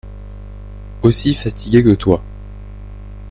Aussi fatigué que toi.